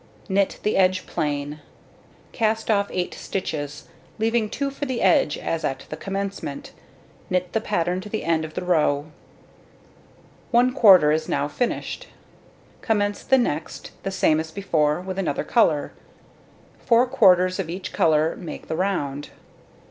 Knit the edge plain. Cast off 8 stitches, leaving 2 for the edge as at the commencement. Knit the pattern to the end of the row. One quarter is now finished. Commence the next, the same as before, with another colour. Four quarters of each colour make the round.